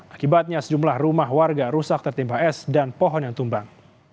akibatnya sejumlah rumah warga rusak tertimpa es dan pohon yang tumbang